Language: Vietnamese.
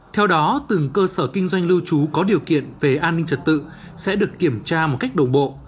theo đó từng cơ sở kinh doanh lưu trú có điều kiện về an ninh trật tự sẽ được kiểm tra một cách đồng bộ